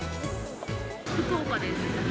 福岡です。